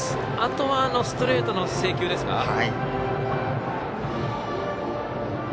あとはストレートの制球ですか。